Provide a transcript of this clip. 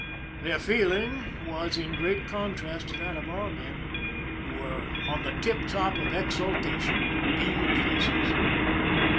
Their feel ing was in great contrast to that of our men, who were on the tiptop of exultation, with beaming faces.